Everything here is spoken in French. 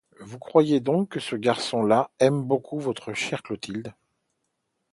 Vous croyez donc que ce garçon-là aime beaucoup votre chère Clotilde ?.